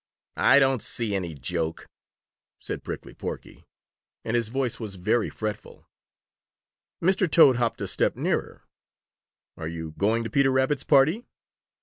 "I don't see any joke," said Prickly Porky, and his voice was very fretful. Mr. Toad hopped a step nearer. "Are you going to Peter Rabbit's party?"